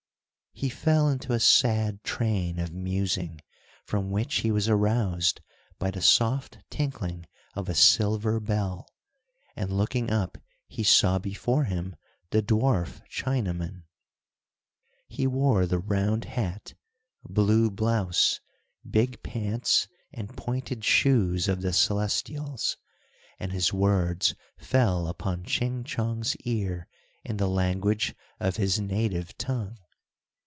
He fell into a sad train of musing, from which he was aroused by the soft tinkling of a silver bell, and looking up he saw before him the dwarf Chinaman. He wore the round hat, blue blouse, big pants, and pointed shoes of the Celestials, and his words fell upon Ching Chong's ear in the language of his native tongue.